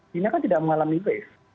cina kan tidak mengalami wave